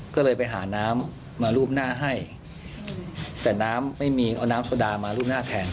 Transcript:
ก็เลยไปหาน้ำมารูปหน้าให้แต่น้ำไม่มีเอาน้ำโซดามารูปหน้าแทน